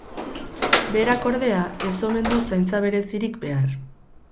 Berak, ordea, ez omen du zaintza berezirik behar.